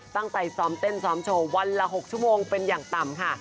ซ้อมเต้นซ้อมโชว์วันละ๖ชั่วโมงเป็นอย่างต่ำค่ะ